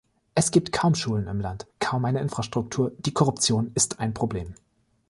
Es gibt kaum Schulen im Land, kaum eine Infrastruktur, die Korruption ist ein Problem.